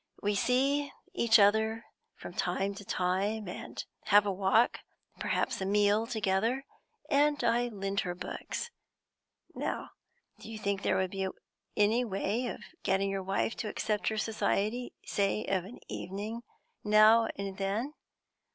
We see each other from time to time, and have a walk, perhaps a meal, together, and I lend her books. Now, do you think there would be any way of getting your wife to accept her society, say of an evening now and then?